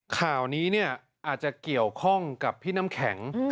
ข่าวนี้เนี่ยอาจจะเกี่ยวข้องกับพี่น้ำแข็ง